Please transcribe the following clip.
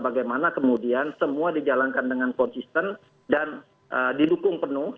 bagaimana kemudian semua dijalankan dengan konsisten dan didukung penuh